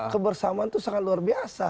kebersamaan itu sangat luar biasa